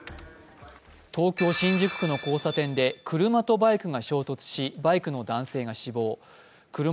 東京・新宿区の交差点で車とバイクが衝突しバイクの男性が死亡。